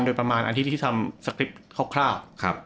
โดยประมาณอาทิตย์ที่ทำสคริปต์ครอบคร่าว